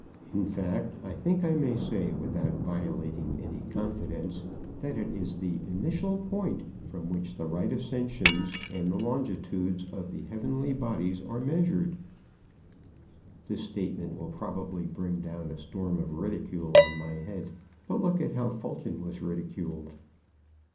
In fact, I think I may say without violating any confidence, that it is the initial point from which the right ascensions and the longitudes of the heavenly bodies are measured. This statement will probably bring down a storm of ridicule on my head, but look at how Fulton was ridiculed.